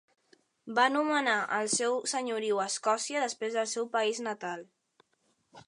Va nomenar el seu senyoriu a Escòcia després del seu país natal.